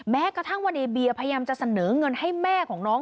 แม้กระทั่งว่าในเบียร์พยายามจะเสนอเงินให้แม่ของน้อง